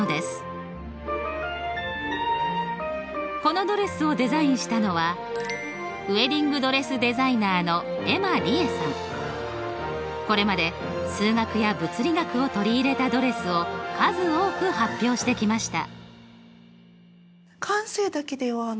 このドレスをデザインしたのはこれまで数学や物理学を取り入れたドレスを数多く発表してきました。